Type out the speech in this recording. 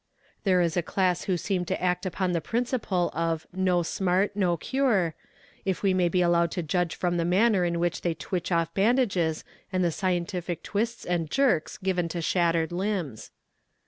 There is a class who seem to act upon the principle of "no smart no cure," if we may be allowed to judge from the manner in which they twitch off bandages and the scientific twists and jerks given to shattered limbs.